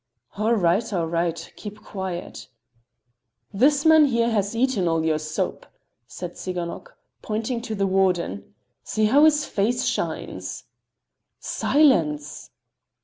"All right, all right! Keep quiet!" "This man here has eaten all your soap," said Tsiganok, pointing to the warden. "See how his face shines." "Silence!"